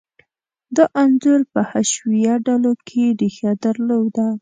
دا انځور په حشویه ډلو کې ریښه درلوده.